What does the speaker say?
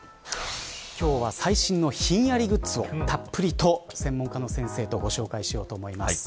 今日は最新のひんやりグッズをたっぷりと専門家の先生とご紹介しようと思います。